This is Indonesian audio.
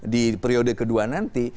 di periode kedua nanti